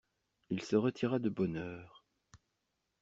Il se retira de bonne heure.